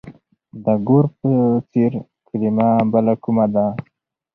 د ګور په څېر کلمه بله کومه ده؟